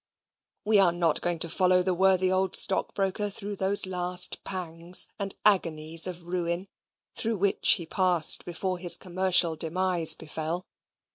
We are not going to follow the worthy old stockbroker through those last pangs and agonies of ruin through which he passed before his commercial demise befell.